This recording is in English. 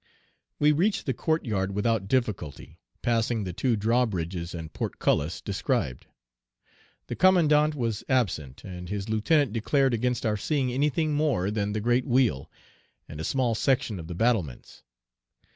We reached the court yard without difficulty, passing the two drawbridges and portcullis described. The commandant was absent; and his lieutenant declared against our seeing anything more than the great wheel, and a small section of the battlements.